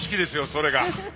それが。